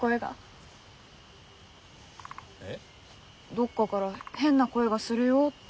どっかがら変な声がするよって。